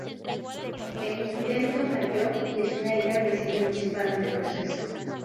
El intento falló y Schneider recibió un disparo en el proceso.